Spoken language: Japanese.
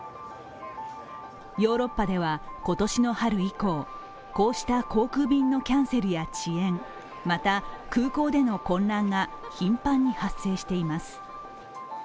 ヨーロッパでは今年の春以降、こうした航空便のキャンセルや遅延また空港での混乱が頻繁に発生しています。